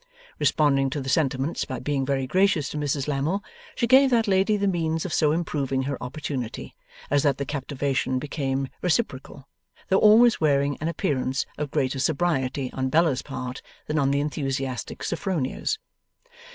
Responding to the sentiments, by being very gracious to Mrs Lammle, she gave that lady the means of so improving her opportunity, as that the captivation became reciprocal, though always wearing an appearance of greater sobriety on Bella's part than on the enthusiastic Sophronia's.